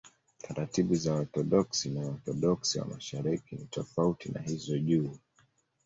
Taratibu za Waorthodoksi na Waorthodoksi wa Mashariki ni tofauti na hizo juu.